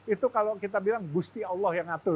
itu kalau kita bilang gusti allah yang ngatur